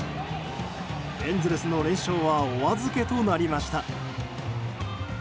エンゼルスの連勝はお預けとなりました。